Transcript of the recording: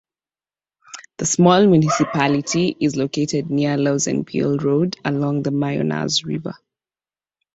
The small municipality is located near the Lausanne-Bulle road along the Mionnaz river.